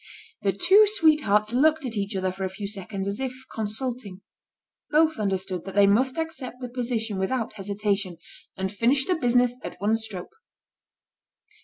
The two sweethearts looked at each other for a few seconds as if consulting. Both understood that they must accept the position without hesitation, and finish the business at one stroke.